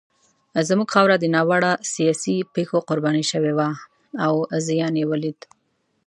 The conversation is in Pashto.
زموږ خاوره د ناوړه سیاسي پېښو قرباني شوې وه او زیان یې ولید.